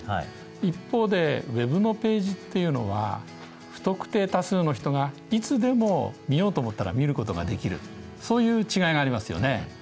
一方でＷｅｂのページっていうのは不特定多数の人がいつでも見ようと思ったら見ることができるそういう違いがありますよね。